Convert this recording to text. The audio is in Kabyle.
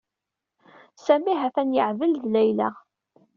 Sami ha-t-an yeɛdel d Layla.